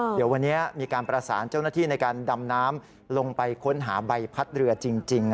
เดี๋ยววันนี้มีการประสานเจ้าหน้าที่ในการดำน้ำลงไปค้นหาใบพัดเรือจริง